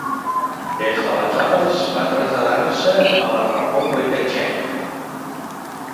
Des d'aleshores va traslladar-se a la República Txeca.